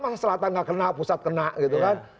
wah selatan nggak kena pusat kena gitu kan